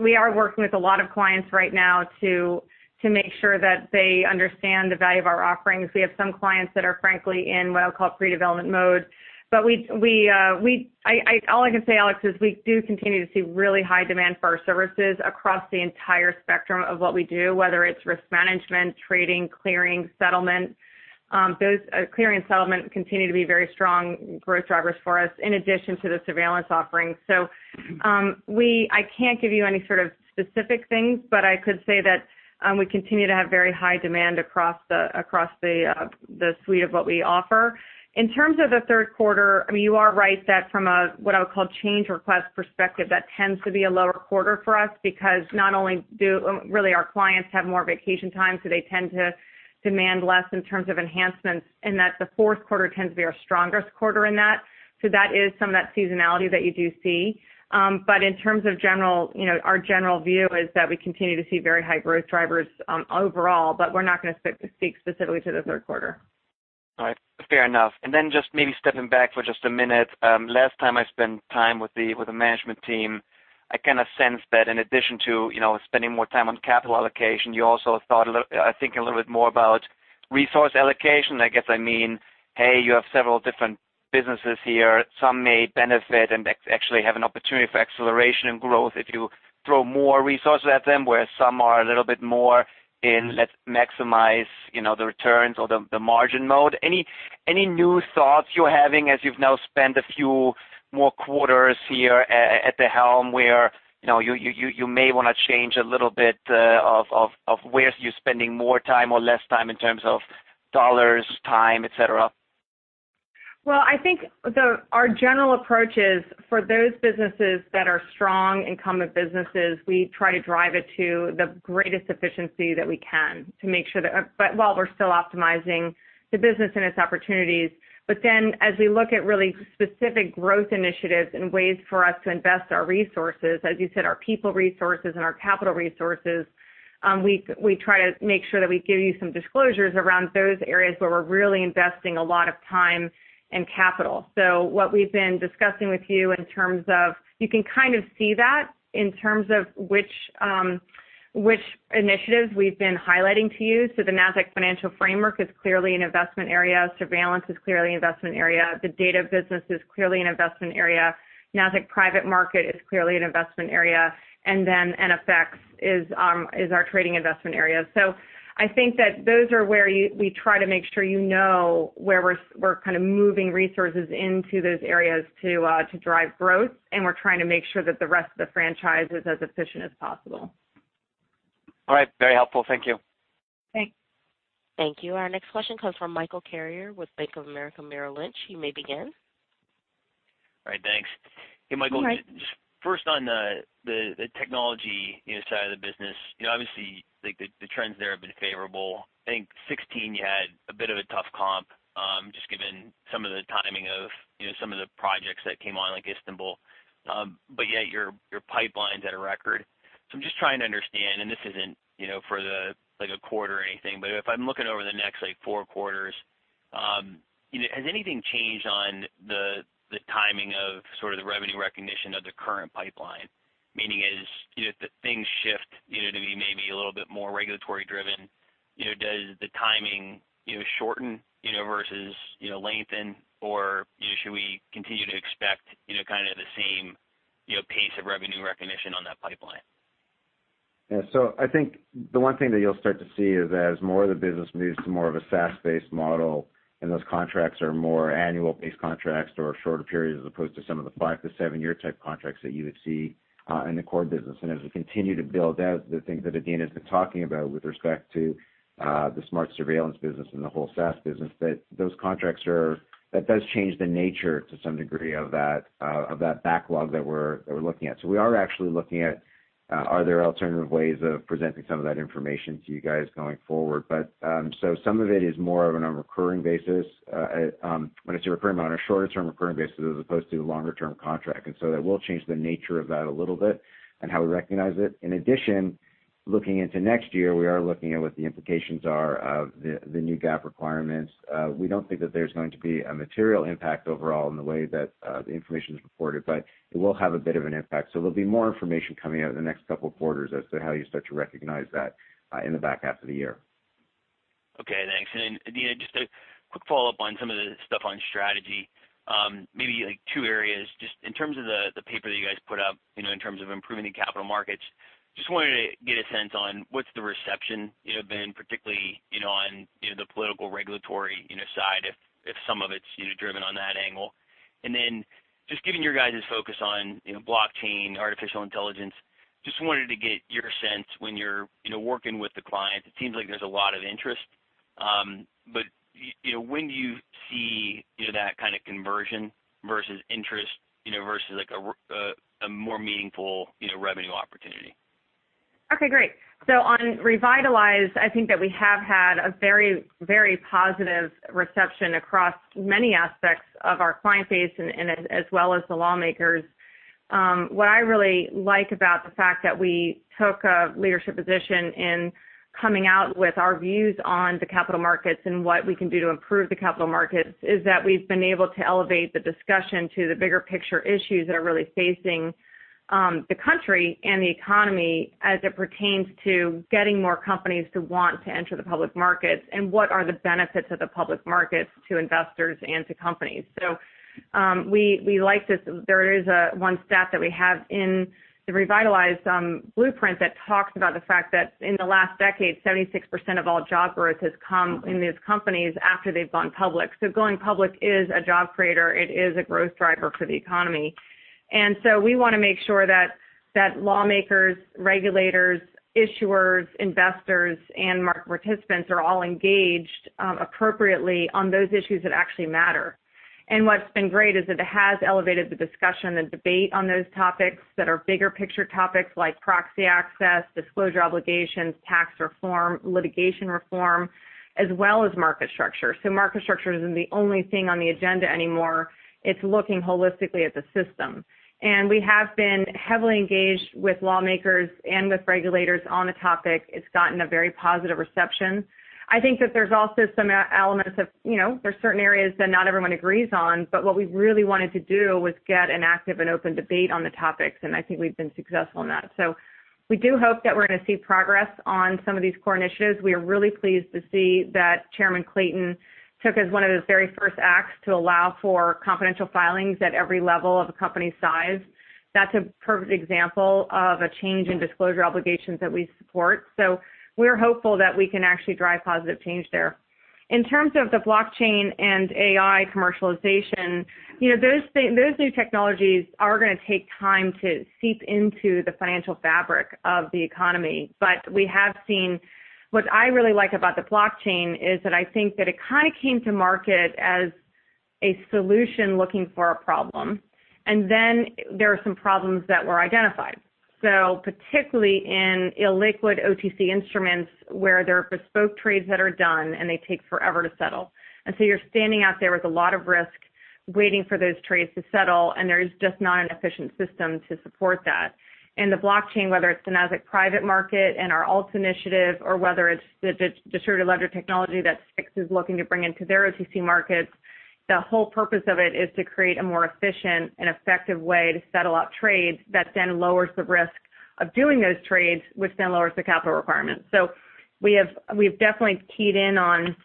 We are working with a lot of clients right now to make sure that they understand the value of our offerings. We have some clients that are, frankly, in what I'll call pre-development mode. All I can say, Alex, is we do continue to see really high demand for our services across the entire spectrum of what we do, whether it's risk management, trading, clearing, settlement. Clearing and settlement continue to be very strong growth drivers for us, in addition to the surveillance offerings. I can't give you any sort of specific things, but I could say that we continue to have very high demand across the suite of what we offer. In terms of the third quarter, you are right that from a, what I would call change request perspective, that tends to be a lower quarter for us because not only do really our clients have more vacation time, so they tend to demand less in terms of enhancements, and that the fourth quarter tends to be our strongest quarter in that. That is some of that seasonality that you do see. In terms of our general view is that we continue to see very high growth drivers overall, but we're not going to speak specifically to the third quarter. All right. Fair enough. Just maybe stepping back for just a minute. Last time I spent time with the management team, I kind of sensed that in addition to spending more time on capital allocation, you also thought, I think, a little bit more about resource allocation. I mean, hey, you have several different businesses here. Some may benefit and actually have an opportunity for acceleration and growth if you throw more resources at them, where some are a little bit more in, let's maximize the returns or the margin mode. Any new thoughts you're having as you've now spent a few more quarters here at the helm where you may want to change a little bit of where you're spending more time or less time in terms of dollars, time, et cetera? Well, I think our general approach is for those businesses that are strong incumbent businesses, we try to drive it to the greatest efficiency that we can while we're still optimizing the business and its opportunities. As we look at really specific growth initiatives and ways for us to invest our resources, as you said, our people resources and our capital resources, we try to make sure that we give you some disclosures around those areas where we're really investing a lot of time and capital. What we've been discussing with you in terms of which initiatives we've been highlighting to you. The Nasdaq Financial Framework is clearly an investment area. Surveillance is clearly an investment area. The data business is clearly an investment area. Nasdaq Private Market is clearly an investment area. NFX is our trading investment area. I think that those are where we try to make sure you know where we're kind of moving resources into those areas to drive growth, and we're trying to make sure that the rest of the franchise is as efficient as possible. All right. Very helpful. Thank you. Thanks. Thank you. Our next question comes from Michael Carrier with Bank of America Merrill Lynch. You may begin. All right. Thanks. Michael. Hey, Michael. First, on the technology side of the business, obviously, the trends there have been favorable. I think 2016, you had a bit of a tough comp, just given some of the timing of some of the projects that came on, like Istanbul. Yet your pipeline's at a record. I'm just trying to understand, and this isn't for the like a quarter or anything, but if I'm looking over the next four quarters, has anything changed on the timing of sort of the revenue recognition of the current pipeline? Meaning as things shift to be maybe a little bit more regulatory driven, does the timing shorten versus lengthen? Or should we continue to expect kind of the same pace of revenue recognition on that pipeline? Yeah. I think the one thing that you'll start to see is that as more of the business moves to more of a SaaS-based model, and those contracts are more annual-based contracts or shorter periods, as opposed to some of the 5- to 7-year type contracts that you would see in the core business. As we continue to build out the things that Adena's been talking about with respect to the smart surveillance business and the whole SaaS business, that those contracts that does change the nature to some degree of that backlog that we're looking at. We are actually looking at, are there alternative ways of presenting some of that information to you guys going forward? Some of it is more of on a recurring basis, when it's a recurring on a shorter-term recurring basis, as opposed to a longer-term contract. That will change the nature of that a little bit and how we recognize it. In addition, looking into next year, we are looking at what the implications are of the new GAAP requirements. We do not think that there is going to be a material impact overall in the way that the information is reported, but it will have a bit of an impact. There will be more information coming out in the next couple of quarters as to how you start to recognize that in the back half of the year. Okay, thanks. Adena, just a quick follow-up on some of the stuff on strategy. Maybe two areas, just in terms of the paper that you guys put up in terms of improving the capital markets, just wanted to get a sense on what is the reception been, particularly on the political regulatory side if some of it is driven on that angle. Just given your guys' focus on blockchain, artificial intelligence, just wanted to get your sense when you are working with the clients. It seems like there is a lot of interest. When do you see that kind of conversion versus interest versus a more meaningful revenue opportunity? Okay, great. On Revitalize, I think that we have had a very, very positive reception across many aspects of our client base and as well as the lawmakers. What I really like about the fact that we took a leadership position in coming out with our views on the capital markets and what we can do to improve the capital markets is that we have been able to elevate the discussion to the bigger picture issues that are really facing the country and the economy as it pertains to getting more companies to want to enter the public markets and what are the benefits of the public markets to investors and to companies. There is one stat that we have in the Revitalize blueprint that talks about the fact that in the last decade, 76% of all job growth has come in these companies after they have gone public. Going public is a job creator. It is a growth driver for the economy. We want to make sure that lawmakers, regulators, issuers, investors, and market participants are all engaged appropriately on those issues that actually matter. What has been great is that it has elevated the discussion, the debate on those topics that are bigger picture topics like proxy access, disclosure obligations, tax reform, litigation reform, as well as market structure. Market structure is not the only thing on the agenda anymore. It is looking holistically at the system. We have been heavily engaged with lawmakers and with regulators on the topic. It's gotten a very positive reception. I think that there's also some elements of, there's certain areas that not everyone agrees on, but what we really wanted to do was get an active and open debate on the topics, and I think we've been successful in that. We do hope that we're going to see progress on some of these core initiatives. We are really pleased to see that Jay Clayton took as one of his very first acts to allow for confidential filings at every level of a company size. That's a perfect example of a change in disclosure obligations that we support. We're hopeful that we can actually drive positive change there. In terms of the blockchain and AI commercialization, those new technologies are going to take time to seep into the financial fabric of the economy. We have seen, what I really like about the blockchain is that I think that it kind of came to market as a solution looking for a problem. There are some problems that were identified. Particularly in illiquid OTC instruments where there are bespoke trades that are done and they take forever to settle. You're standing out there with a lot of risk waiting for those trades to settle, and there's just not an efficient system to support that. The blockchain, whether it's the Nasdaq Private Market and our ALTS initiative, or whether it's the distributed ledger technology that SIX is looking to bring into their OTC markets, the whole purpose of it is to create a more efficient and effective way to settle out trades that then lowers the risk of doing those trades, which then lowers the capital requirements. We've definitely keyed in on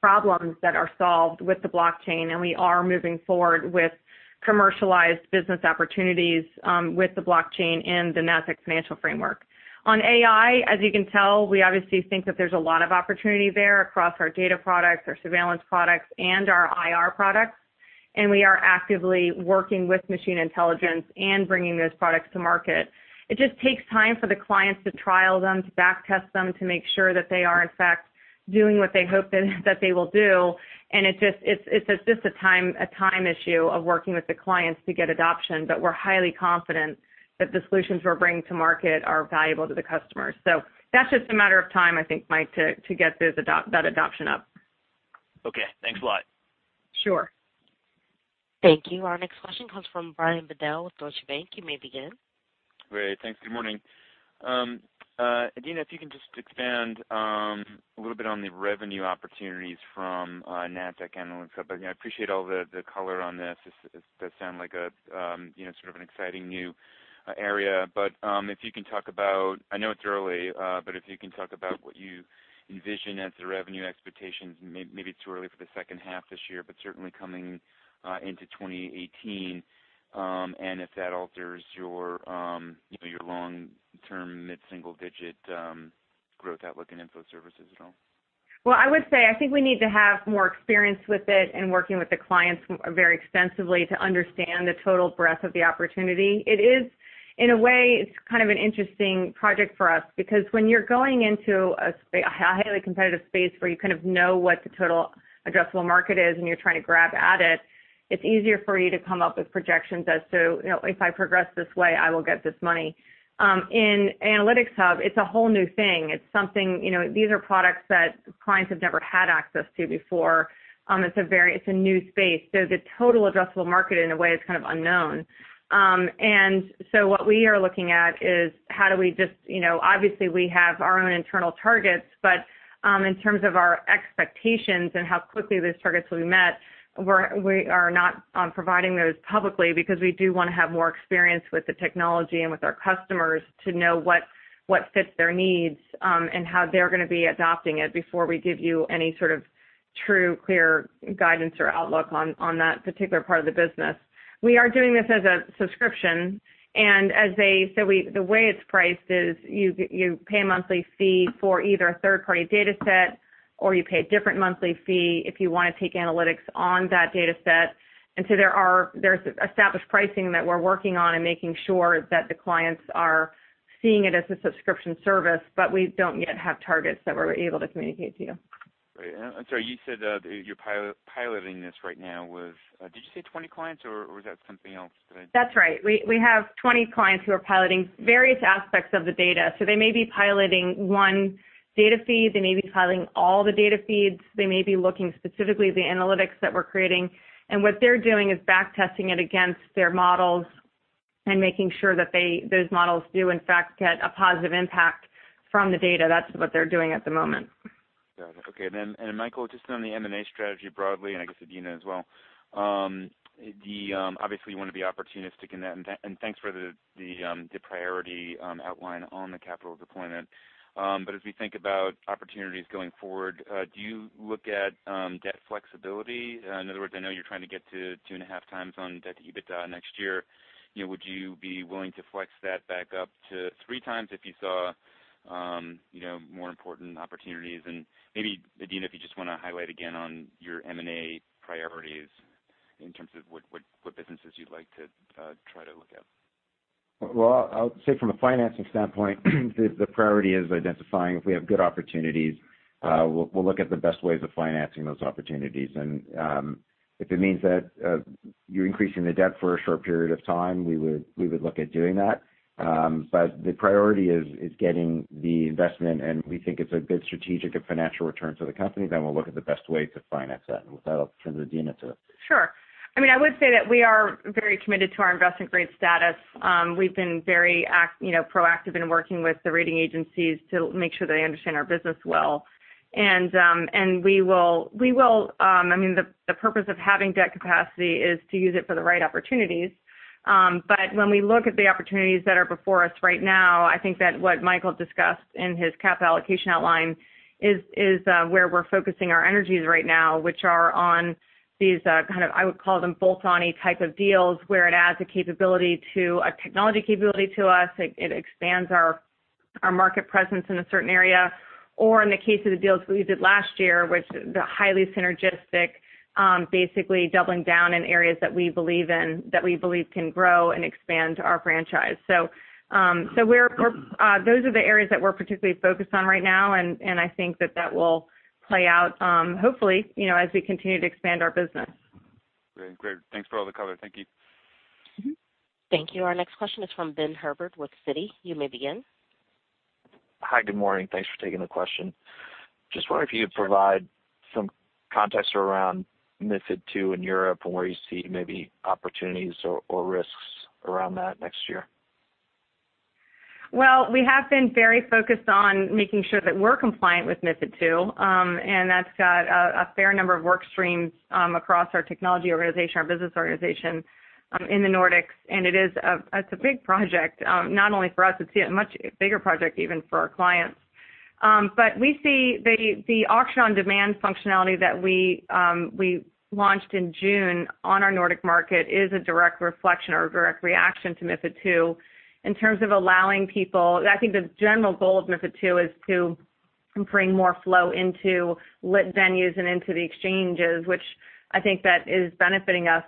problems that are solved with the blockchain, and we are moving forward with commercialized business opportunities with the blockchain in the Nasdaq Financial Framework. On AI, as you can tell, we obviously think that there's a lot of opportunity there across our data products, our surveillance products, and our IR products. We are actively working with machine intelligence and bringing those products to market. It just takes time for the clients to trial them, to back test them, to make sure that they are, in fact, doing what they hope that they will do. It's just a time issue of working with the clients to get adoption. We're highly confident that the solutions we're bringing to market are valuable to the customers. That's just a matter of time, I think, Mike, to get that adoption up. Okay. Thanks a lot. Sure. Thank you. Our next question comes from Brian Bedell with Deutsche Bank. You may begin. Great. Thanks. Good morning. Adena, if you can just expand a little bit on the revenue opportunities from Nasdaq Analytics Hub. I appreciate all the color on this. It does sound like sort of an exciting new area. If you can talk about, I know it's early, but if you can talk about what you envision as the revenue expectations, maybe it's too early for the second half of this year, but certainly coming into 2018. If that alters your long-term mid-single-digit growth outlook in info services at all. Well, I would say, I think we need to have more experience with it and working with the clients very extensively to understand the total breadth of the opportunity. It is, in a way, it's kind of an interesting project for us because when you're going into a highly competitive space where you kind of know what the total addressable market is and you're trying to grab at it's easier for you to come up with projections as to, "If I progress this way, I will get this money." In Analytics Hub, it's a whole new thing. These are products that clients have never had access to before. It's a new space. The total addressable market, in a way, is kind of unknown. What we are looking at is how do we obviously we have our own internal targets, in terms of our expectations and how quickly those targets will be met, we are not providing those publicly because we do want to have more experience with the technology and with our customers to know what fits their needs, and how they're going to be adopting it before we give you any sort of true, clear guidance or outlook on that particular part of the business. We are doing this as a subscription, the way it's priced is you pay a monthly fee for either a third-party data set, or you pay a different monthly fee if you want to take analytics on that data set. There's established pricing that we're working on and making sure that the clients are seeing it as a subscription service, but we don't yet have targets that we're able to communicate to you. Great. I'm sorry, you said that you're piloting this right now with, did you say 20 clients, or was that something else that I? That's right. We have 20 clients who are piloting various aspects of the data. They may be piloting one data feed. They may be piloting all the data feeds. They may be looking specifically at the analytics that we're creating. What they're doing is backtesting it against their models and making sure that those models do in fact get a positive impact from the data. That's what they're doing at the moment. Got it. Okay. Michael, just on the M&A strategy broadly, I guess Adena as well. Obviously, you want to be opportunistic in that, and thanks for the priority outline on the capital deployment. As we think about opportunities going forward, do you look at debt flexibility? In other words, I know you're trying to get to 2.5 times on debt to EBITDA next year. Would you be willing to flex that back up to 3 times if you saw more important opportunities? Maybe Adena, if you just want to highlight again on your M&A priorities in terms of what businesses you'd like to try to look at. Well, I'll say from a financing standpoint, the priority is identifying if we have good opportunities. We'll look at the best ways of financing those opportunities. If it means that you're increasing the debt for a short period of time, we would look at doing that. The priority is getting the investment, and we think it's a good strategic and financial return to the company, then we'll look at the best way to finance that. With that, I'll turn to Adena. Sure. I would say that we are very committed to our investment-grade status. We've been very proactive in working with the rating agencies to make sure they understand our business well. The purpose of having debt capacity is to use it for the right opportunities. When we look at the opportunities that are before us right now, I think that what Michael discussed in his capital allocation outline is where we're focusing our energies right now, which are on these kind of, I would call them bolt-on type of deals, where it adds a technology capability to us. It expands our market presence in a certain area. Or in the case of the deals that we did last year, which the highly synergistic basically doubling down in areas that we believe can grow and expand our franchise. Those are the areas that we're particularly focused on right now, and I think that that will play out, hopefully, as we continue to expand our business. Great. Thanks for all the color. Thank you. Thank you. Our next question is from Benjamin Herbert with Citi. You may begin. Hi. Good morning. Thanks for taking the question. Just wonder if you could provide some context around MiFID II in Europe and where you see maybe opportunities or risks around that next year. Well, we have been very focused on making sure that we're compliant with MiFID II. That's got a fair number of work streams across our technology organization, our business organization in the Nordics, it's a big project. Not only for us, it's a much bigger project even for our clients. We see the auction-on-demand functionality that we launched in June on our Nordic market is a direct reflection or a direct reaction to MiFID II in terms of allowing people. I think the general goal of MiFID II is to bring more flow into lit venues and into the exchanges, which I think that is benefiting us.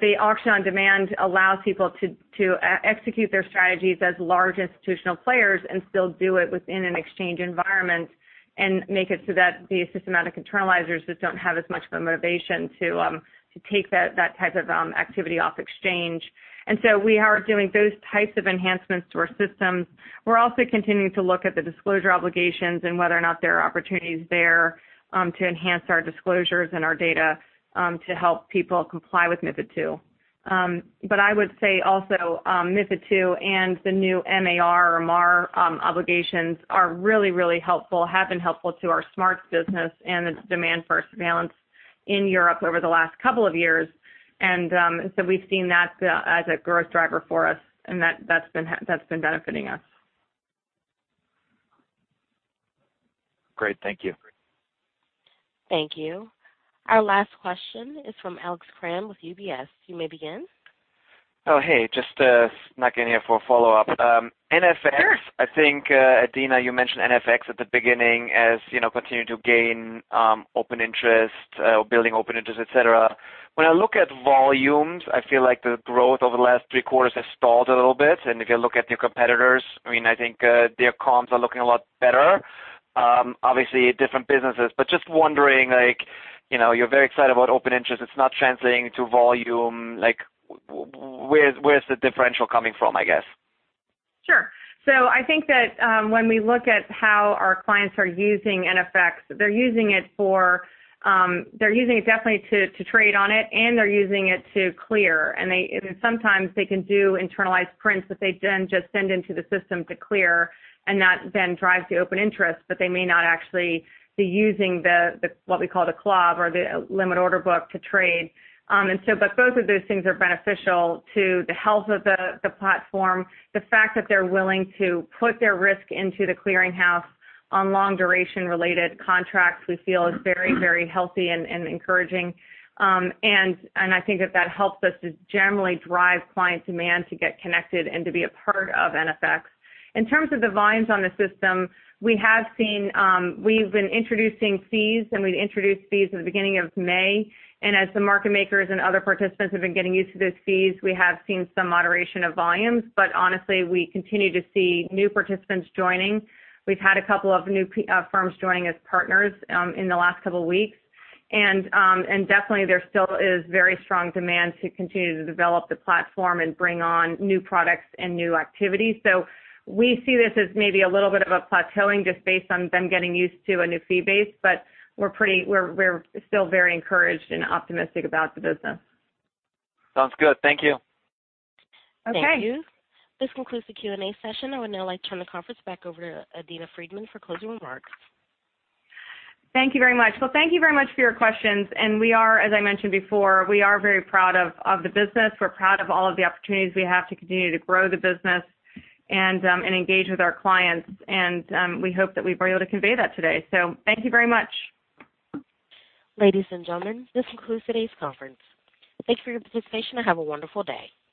The auction on demand allows people to execute their strategies as large institutional players and still do it within an exchange environment and make it so that the systematic internalizers just don't have as much of a motivation to take that type of activity off exchange. We are doing those types of enhancements to our systems. We're also continuing to look at the disclosure obligations and whether or not there are opportunities there to enhance our disclosures and our data to help people comply with MiFID II. I would say also MiFID II and the new M-A-R or MAR obligations are really, really helpful, have been helpful to our SMARTS business and its demand for surveillance in Europe over the last couple of years. We've seen that as a growth driver for us and that's been benefiting us. Great. Thank you. Thank you. Our last question is from Alex Kramm with UBS. You may begin. Oh, hey, just knocking here for a follow-up. Sure. NFX, I think, Adena, you mentioned NFX at the beginning as continuing to gain open interest or building open interest, et cetera. When I look at volumes, I feel like the growth over the last 3 quarters has stalled a little bit. If you look at your competitors, I think their comms are looking a lot better. Obviously, different businesses, but just wondering, you're very excited about open interest. It's not translating to volume. Where's the differential coming from, I guess? Sure. I think that when we look at how our clients are using NFX, they're using it definitely to trade on it, they're using it to clear. Sometimes they can do internalized prints that they then just send into the system to clear. That then drives the open interest. They may not actually be using what we call the CLOB or the limit order book to trade. Both of those things are beneficial to the health of the platform. The fact that they're willing to put their risk into the clearing house on long duration-related contracts we feel is very, very healthy and encouraging. I think that that helps us to generally drive client demand to get connected and to be a part of NFX. In terms of the volumes on the system, we've been introducing fees. We introduced fees at the beginning of May. As the market makers and other participants have been getting used to those fees, we have seen some moderation of volumes. Honestly, we continue to see new participants joining. We've had a couple of new firms joining as partners in the last couple of weeks. Definitely there still is very strong demand to continue to develop the platform and bring on new products and new activities. We see this as maybe a little bit of a plateauing just based on them getting used to a new fee base, but we're still very encouraged and optimistic about the business. Sounds good. Thank you. Okay. Thank you. This concludes the Q&A session. I would now like to turn the conference back over to Adena Friedman for closing remarks. Thank you very much. Well, thank you very much for your questions. As I mentioned before, we are very proud of the business. We're proud of all of the opportunities we have to continue to grow the business and engage with our clients. We hope that we were able to convey that today. Thank you very much. Ladies and gentlemen, this concludes today's conference. Thank you for your participation and have a wonderful day.